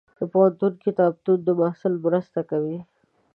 د پوهنتون کتابتون د محصل مرسته کوي.